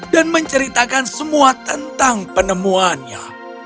menceritakan semua tentang penemuannya